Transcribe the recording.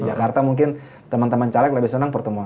jakarta mungkin teman teman caleg lebih senang pertemuan